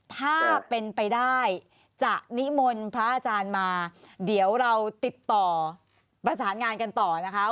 ถ้าเป็นไปได้จะนิมนต์พระอาจารย์มาเดี๋ยวเราติดต่อประสานงานกันต่อนะคะ